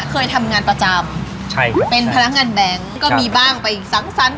เคยทำงานประจำใช่ครับเป็นพนักงานแบงค์ก็มีบ้างไปสังสรรค์